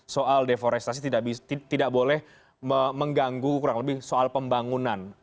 soal deforestasi tidak boleh mengganggu kurang lebih soal pembangunan